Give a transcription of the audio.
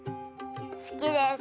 好きです。